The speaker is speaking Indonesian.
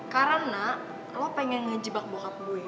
karena lo pengen ngejebak bokap gue